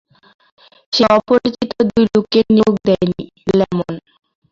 সে অপরিচিত দুই লোককে নিয়োগ দেয়নি, লেমন।